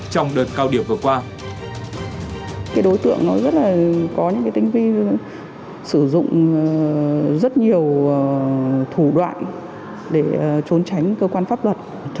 trong đợt cao điểm vừa qua